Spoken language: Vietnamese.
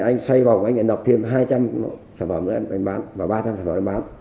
anh xoay vòng anh lại nộp thêm hai trăm linh sản phẩm nữa anh bán và ba trăm linh sản phẩm anh bán